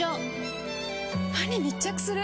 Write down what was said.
歯に密着する！